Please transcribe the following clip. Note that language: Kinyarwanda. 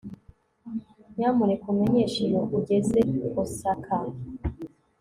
Nyamuneka umenyeshe iyo ugeze Osaka